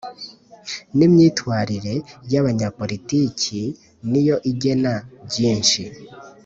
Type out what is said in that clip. nimyitwarire yabanyapolitiki niyo igena byinshi